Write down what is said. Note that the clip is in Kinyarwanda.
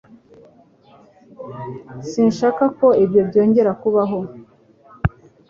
Sinshaka ko ibyo byongera kubaho.